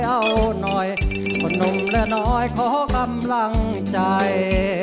เอาหน่อยคนหนุ่มและน้อยขอกำลังใจ